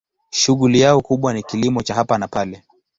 Shughuli yao kubwa ni kilimo cha hapa na pale.